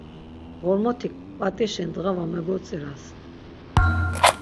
Ğormotik p̌aṫişi ndğa va megodziras.